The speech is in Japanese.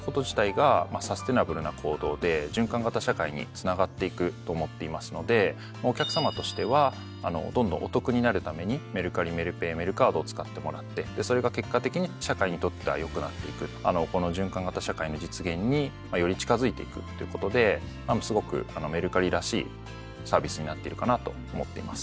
われわれとしては。と思っていますのでお客さまとしてはどんどんお得になるために「メルカリ」「メルペイ」「メルカード」を使ってもらってでそれが結果的に社会にとっては良くなっていくこの循環型社会の実現により近づいていくということですごくメルカリらしいサービスになっているかなと思っています。